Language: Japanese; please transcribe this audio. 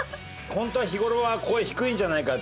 ホントは日頃は声低いんじゃないか？